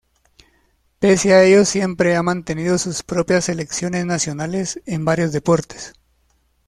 Pese a ello siempre ha mantenido sus propias selecciones nacionales en varios deportes.